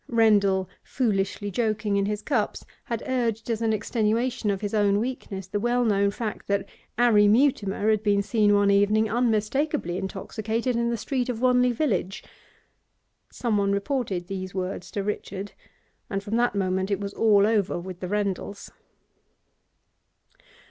Rendal, foolishly joking in his cups, had urged as extenuation of his own weakness the well known fact that 'Arry Mutimer had been seen one evening unmistakably intoxicated in the street of Wanley village. Someone reported these words to Richard, and from that moment it was all over with the Rendals.